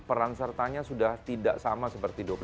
peran sertanya sudah tidak sama seperti